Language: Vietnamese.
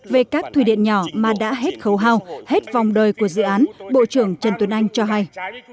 về các thủy điện nhỏ mà đã hết khấu hào hết vòng đời của dự án bộ trưởng trần tuấn anh cho hay